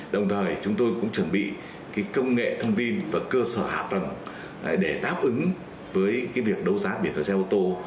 đồng thời chúng tôi cũng chuẩn bị công nghệ thông tin và cơ sở hạ tầng để đáp ứng với việc đấu giá biển ở xe ô tô